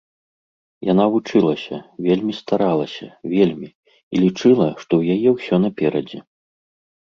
Яна вучылася, вельмі старалася, вельмі, і лічыла, што ў яе ўсё наперадзе.